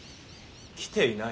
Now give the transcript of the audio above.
来ていない？